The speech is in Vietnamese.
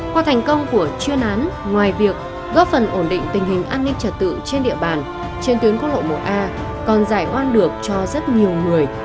qua thành công của chuyên án ngoài việc góp phần ổn định tình hình an ninh trật tự trên địa bàn trên tuyến quốc lộ một a còn giải oan được cho rất nhiều người